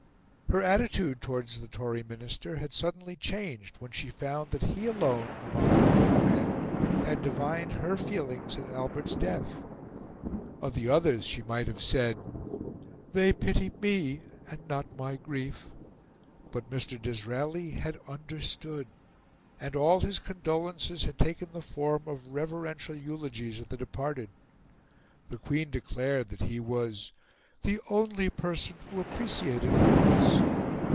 Her attitude towards the Tory Minister had suddenly changed when she found that he alone among public men had divined her feelings at Albert's death. Of the others she might have said "they pity me and not my grief;" but Mr. Disraeli had understood; and all his condolences had taken the form of reverential eulogies of the departed. The Queen declared that he was "the only person who appreciated the Prince."